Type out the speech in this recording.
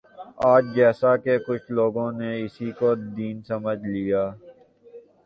آج جیساکہ کچھ لوگوں نے اسی کو دین سمجھ لیا